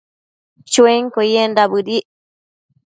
Chuenquio yendac bëdic